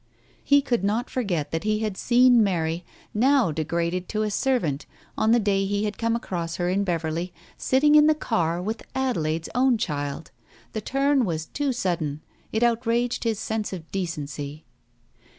He could not forget that he had seen Mary, now degraded to a servant, on the day he had come across her in Beverley, sitting in the car with Adelaide's own child. The turn was too sudden. It outraged his sense of decency.